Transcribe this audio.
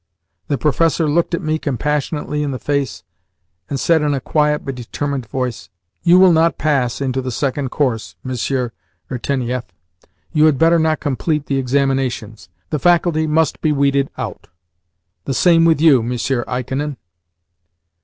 The professor looked me compassionately in the face, and said in a quiet, but determined, voice: "You will not pass into the second course, Monsieur Irtenieff. You had better not complete the examinations. The faculty must be weeded out. The same with you, Monsieur Ikonin."